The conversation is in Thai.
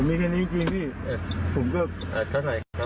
นี่คือผม๕น้ำนิ่ม๒๐